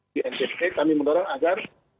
di ntt kami mendorong agar